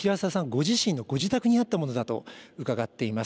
ご自身のご自宅にあったものだと伺っています。